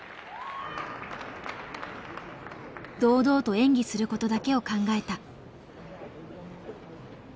堂々と演技することだけを考えた。